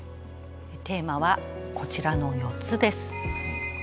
テーマはこちらの４つです。